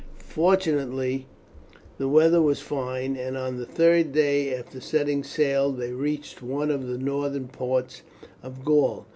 Fortunately the weather was fine, and on the third day after setting sail they reached one of the northern ports of Gaul.